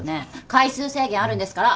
回数制限あるんですから！